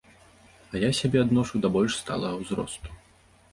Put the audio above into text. А я сябе адношу да больш сталага ўзросту.